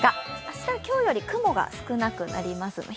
明日は今日より雲が少なくなります。